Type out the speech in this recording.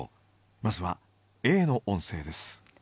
まずはＡの音声です。